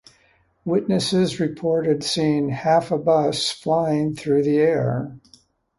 Witnesses reported seeing "half a bus flying through the air".